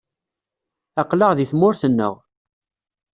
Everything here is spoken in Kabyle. Aql-aɣ deg tmurt-nneɣ.